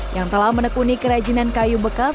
yang telah menekuni kerajinan kayu bekas